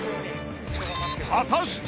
果たして！？